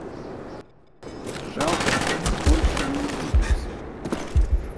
Жалко, что мы больше не увидимся.